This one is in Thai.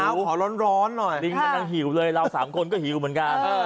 เช้าเช้าขอร้อนร้อนหน่อยหิวเลยเราสามคนก็หิวเหมือนกันเออ